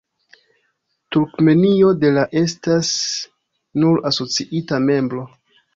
Turkmenio de la estas nur asociita membro.